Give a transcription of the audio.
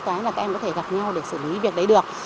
các em cũng gặp nhau để sử lý việc đấy được